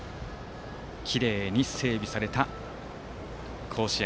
きれいに整備された甲子園。